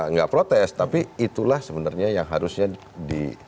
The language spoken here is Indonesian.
nggak protes tapi itulah sebenarnya yang harusnya di